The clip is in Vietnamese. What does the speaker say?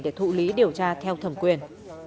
để thụ lý điều tra theo thẩm quyền